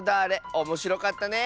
おもしろかったね！